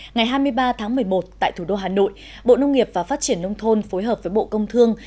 ngày hai mươi ba tháng một mươi một tại thủ đô hà nội bộ nông nghiệp và phát triển nông thôn phối hợp với bộ công thương